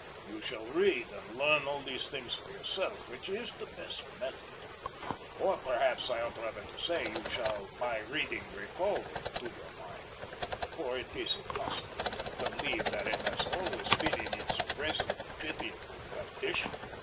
"You shall read and learn all these things for yourself, which is the best method. Or perhaps I ought rather to say, you shall by reading recall them to your mind, for it is impossible to believe that it has always been in its present pitiable condition.